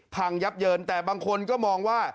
พังยับเยินแต่บางคนก็มองว่า